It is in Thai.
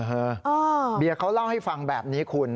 เบียร์เขาเล่าให้ฟังแบบนี้คุณ